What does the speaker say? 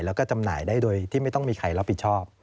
แล้วก็จำหน่ายได้โดยที่ไม่ต้องมีใครรับผิดชอบ